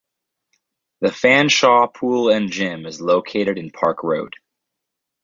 The Fanshawe Pool and Gym is located in Park Road.